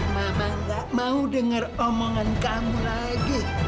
mama gak mau dengar omongan kamu lagi